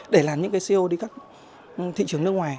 để làm những cái co đi các thị trường nước ngoài